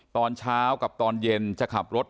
ตอนเช้ากับตอนเย็นจะขับรถ